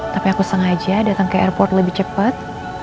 tapi aku sengaja datang ke airport lebih cepat